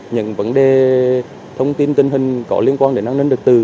những vấn đề thông tin tình hình có liên quan đến an ninh thực tử